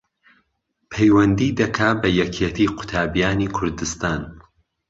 پەیوەندی دەکا بە یەکێتی قوتابیانی کوردستان